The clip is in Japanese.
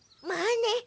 まあね。